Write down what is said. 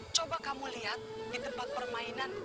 coba kamu lihat di tempat permainan